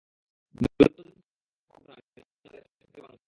দূরত্ব যতই থাকুক না, হৃদয়ে আমার বাংলাদেশ, ভালো থেকো প্রিয় বাংলাদেশ।